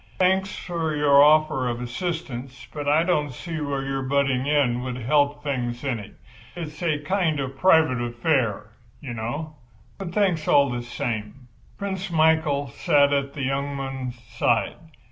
Thanks for your offer of assistance—but I don't see where your butting in would help things any. It's a kind of private affair, you know—but thanks all the same." Prince Michael sat at the young man's side.